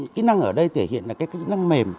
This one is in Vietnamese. kỹ năng ở đây thể hiện là cái kỹ năng mềm